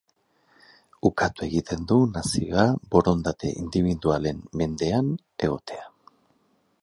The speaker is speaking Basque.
Ukatu egiten du nazioa borondate indibidualen mendean egotea.